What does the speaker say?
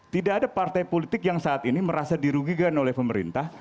tidak ada partai politik yang saat ini merasa dirugikan oleh pemerintah